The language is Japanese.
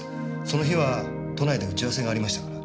その日は都内で打ち合わせがありましたから。